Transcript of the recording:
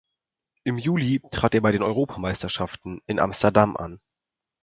Im Juli trat er bei den Europameisterschaften in Amsterdam an.